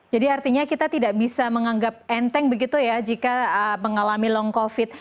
jadi artinya kita tidak bisa menganggap enteng begitu ya jika mengalami long covid